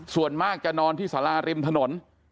ส่วนมากจะนอนที่สาราริมถนน